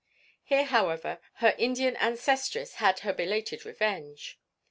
Here, however, her Indian ancestress had her belated revenge.